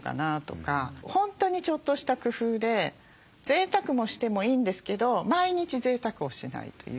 本当にちょっとした工夫でぜいたくもしてもいいんですけど毎日ぜいたくをしないという。